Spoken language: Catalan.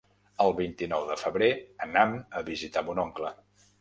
El vint-i-nou de febrer anam a visitar mon oncle.